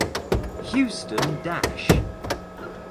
Houston Dash